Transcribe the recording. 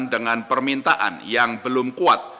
dengan permintaan yang belum kuat